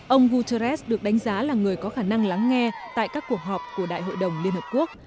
ông guterres được đánh giá là người có khả năng lắng nghe tại các cuộc họp của đại hội đồng liên hợp quốc